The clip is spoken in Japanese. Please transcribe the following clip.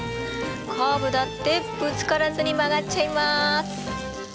カーブだってぶつからずに曲がっちゃいます。